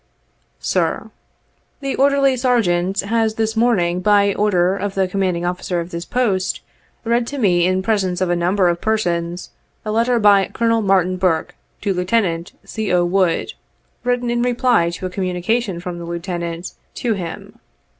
"Sir: "The Orderly Sergeant has this morning, by order of the Commanding Officer of this Post, read to me in presence of a number of persons, a letter from Colonel Martin Burke to Lieutenant C. 0. Wood, written in reply to a communication from the Lieutenant to him.